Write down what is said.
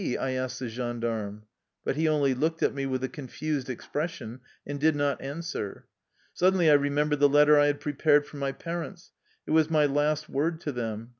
I asked the gendarme, but he only looked at me with a confused expres sion and did not answer. Suddenly I remem bered the letter I had prepared for my parents. It was my last word to them.